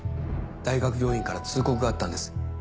大学病院から通告があったんです。